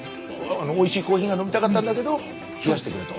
おいしいコーヒーが飲みたかったんだけど冷やしてくれと。